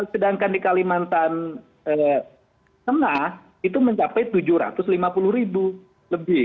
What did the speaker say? sedangkan di kalimantan tengah itu mencapai tujuh ratus lima puluh ribu lebih